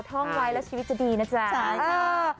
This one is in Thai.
ถ้องไวแล้วชีวิตจะดีนะจ้าใช่ครับเออใช่